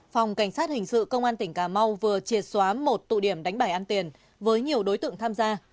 phòng cảnh sát hình sự công an tỉnh cà mau vừa triệt xóa một tụ điểm đánh bài ăn tiền với nhiều đối tượng tham gia